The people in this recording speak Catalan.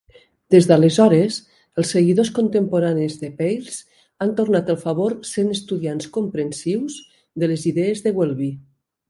Des d'aleshores, els seguidors contemporanis de Peirce han tornat el favor sent estudiants comprensius de les idees de Welby.